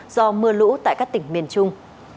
do mưa lũ tại các tỉnh miền trung